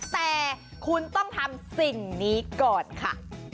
แต่คุณต้องทำสิ่งนี้ก่อนค่ะ